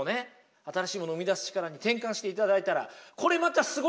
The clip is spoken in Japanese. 新しいもの生み出す力に転換していただいたらそうっすね。